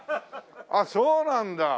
あっそうなんだ。